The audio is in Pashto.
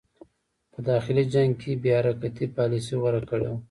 په داخلي جنګ کې یې بې حرکتي پالیسي غوره کړې وه.